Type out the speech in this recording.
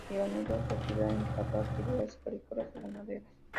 Reanudó su actividad; entabló actividades agrícolas y ganaderas.